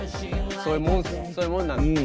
そういうもんっす。